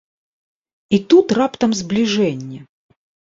І тут раптам збліжэнне!